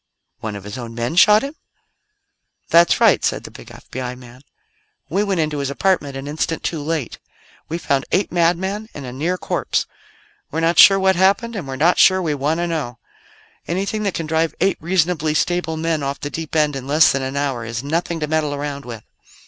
"One of his own men shot him?" "That's right," said the big FBI man. "We went into his apartment an instant too late. We found eight madmen and a near corpse. We're not sure what happened, and we're not sure we want to know. Anything that can drive eight reasonably stable men off the deep end in less than an hour is nothing to meddle around with."